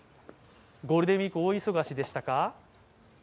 ゴールデンウイーク、大忙しでしたか。